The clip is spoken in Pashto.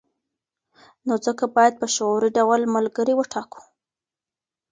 نو ځکه باید په شعوري ډول ملګري وټاکو.